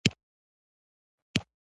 ژبې د افغان تاریخ په کتابونو کې ذکر شوي دي.